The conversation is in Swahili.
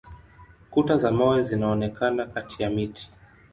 Kuta za mawe zinaonekana kati ya miti.